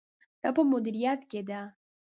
دا په مدیریت کې ده.